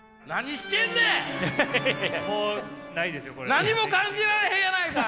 何も感じられへんやないか！